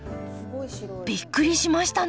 びっくりしましたね